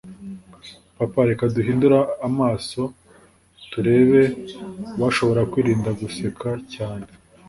Papa reka duhindure amaso turebe uwashobora kwirinda guseka cyane